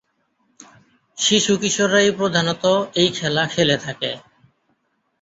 শিশু-কিশোররাই প্রধানত এই খেলা খেলে থাকে।